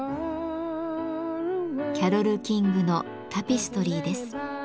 キャロル・キングの「タペストリー」です。